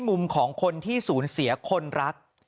มุมของคนที่สูญเสียคนรัก